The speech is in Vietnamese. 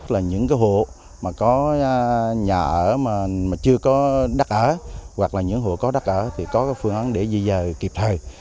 là những cái hộ mà có nhà ở mà chưa có đắt ở hoặc là những hộ có đắt ở thì có cái phương án để dây dài kịp thời